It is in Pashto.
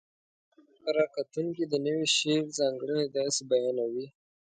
ره کتونکي د نوي شعر ځانګړنې داسې بیانوي: